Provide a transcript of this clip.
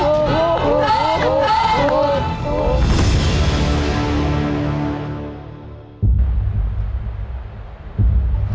ถูก